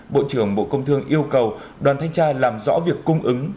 bộ trưởng bộ công thương yêu cầu đoàn thanh tra làm rõ việc cung ứng